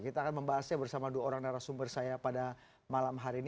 kita akan membahasnya bersama dua orang narasumber saya pada malam hari ini